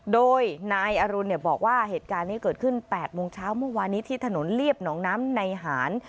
โดยนายอรุณบอกว่าเหตุการณ์นี้เกิดขึ้น๘โมงเช้าเมื่อวานนี้ที่ถนนเรียบหนองน้ำในหาร